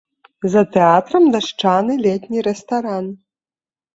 За тэатрам дашчаны летні рэстаран.